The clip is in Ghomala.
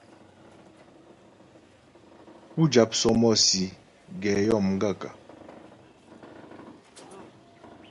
Pú jáp sɔ́mɔ́sì gɛ yó m gaə̂kə́ ?